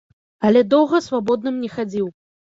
Але доўга свабодным не хадзіў.